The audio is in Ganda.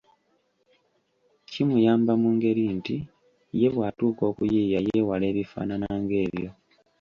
Kimuyamba mu ngeri nti ye bw’atuuka okuyiiya yeewala ebifaanana ng'ebyo.